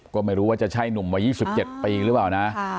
ก็ไม่รู้ว่าจะใช่หนุ่มวัย๒๗ปีหรือเปล่านะ